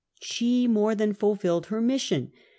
She more than fulfilled her mission.